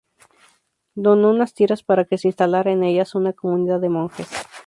Donó unas tierras para que se instalara en ellas una comunidad de monjes.